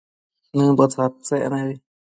Nëmbo tsadtsec nebi